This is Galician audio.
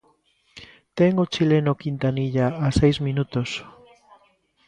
Ten o chileno Quintanilla a seis minutos.